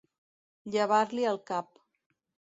Llevar-li el cap.